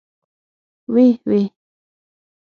ويح ويح.